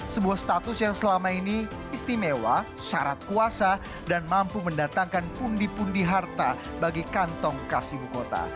sebuah status yang selama ini istimewa syarat kuasa dan mampu mendatangkan pundi pundi harta bagi kantong khas ibu kota